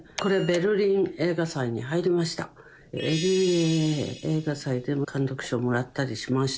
ＬＡ映画祭でも監督賞もらったりしました。